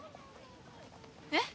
えっ？